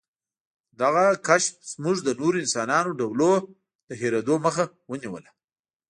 دغه کشف زموږ د نورو انساني ډولونو د هېرېدو مخه ونیوله.